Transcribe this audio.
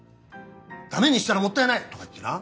だめにしたらもったいない！とか言ってな。